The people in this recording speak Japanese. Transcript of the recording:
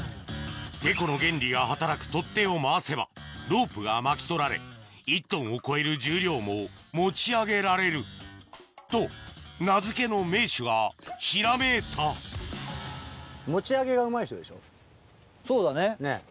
てこの原理が働く取っ手を回せばロープが巻き取られ１ｔを超える重量も持ち上げられると名付けの名手がひらめいたそうだね。ねぇ。